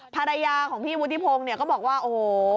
ภรรยาของพี่วุฒิพงศ์เนี่ยก็บอกว่าโอ้โห